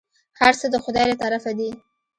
هرڅه د خداى له طرفه دي.